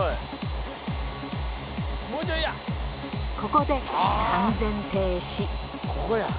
ここで完全停止。